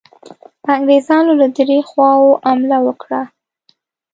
انګرېزانو له دریو خواوو حمله وکړه.